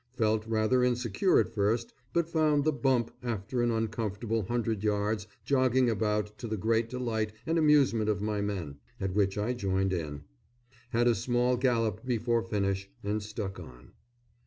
Felt rather insecure at first, but found the "bump" after an uncomfortable 100 yards jogging about, to the great delight and amusement of my men; at which I joined in. Had a small gallop before finish, and stuck on.